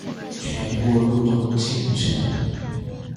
全国入冬进程